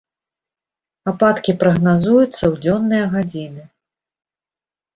Ападкі прагназуюцца ў дзённыя гадзіны.